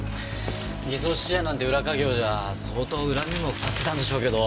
偽造質屋なんて裏稼業じゃあ相当恨みも買ってたんでしょうけど。